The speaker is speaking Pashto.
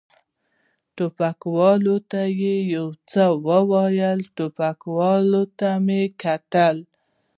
ټوپکوال ته یې یو څه وویل، ټوپکوال ته مې کتل.